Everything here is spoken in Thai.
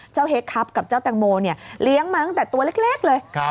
เจ้าเฮกครับกับเจ้าแตงโมเลี้ยงมาตั้งแต่ตัวเล็กเลย